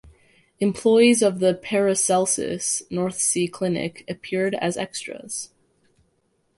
Employees of the Paracelsus North Sea Clinic appeared as extras.